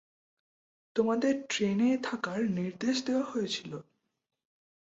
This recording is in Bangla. তোমাদের ট্রেনে থাকার নির্দেশ দেওয়া হয়েছিল।